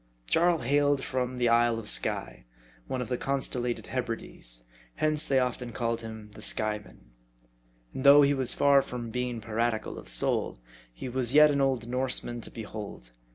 Jarl hailed from the isle of Skye, one of the constellated Hebrides. Hence, they often called him the Skyeman. And though he was far from being piratical of soul, he was yet an old Norseman to behold.